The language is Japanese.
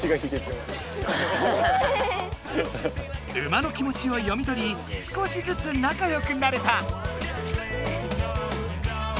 馬の気持ちを読み取り少しずつなかよくなれた！